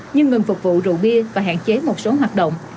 nhưng ngừng phục vụ rượu bia và hạn chế một số hoạt động